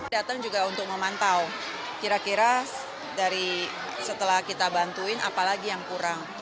datang juga untuk memantau kira kira dari setelah kita bantuin apalagi yang kurang